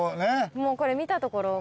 これ見たところ。